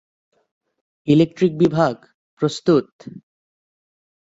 Electric বিভাগ, প্রস্তুত।